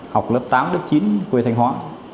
học lớp tám lớp chín quê thanh hóa